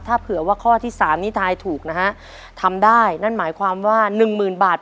ถ้าเผื่อว่าข้อที่สามนี้ทายถูกนะฮะทำได้นั่นหมายความว่าหนึ่งหมื่นบาท